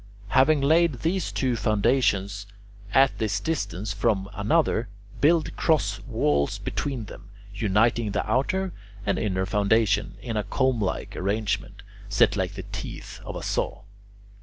Having laid these two foundations at this distance from one another, build cross walls between them, uniting the outer and inner foundation, in a comb like arrangement, set like the teeth of a saw.